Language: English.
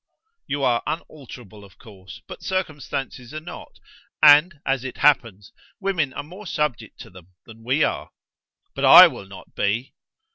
You are unalterable, of course, but circumstances are not, and as it happens, women are more subject to them than we are." "But I will not be!"